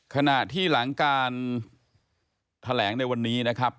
ขณะที่หลังการแถลงในวันนี้นะครับ